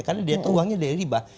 karena dia itu uangnya dari ribah